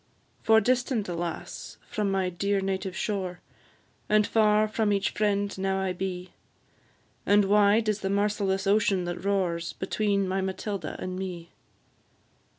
For distant, alas! from my dear native shore, And far from each friend now I be; And wide is the merciless ocean that roars Between my Matilda and me.